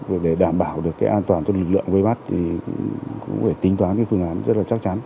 rồi để đảm bảo được cái an toàn cho lực lượng vây bắt thì cũng phải tính toán cái phương án rất là chắc chắn